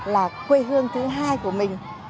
là quê hương thứ hai của mình